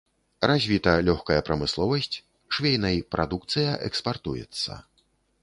Развіта лёгкая прамысловасць, швейнай прадукцыя экспартуецца.